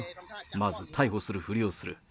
まず逮捕するふりをする。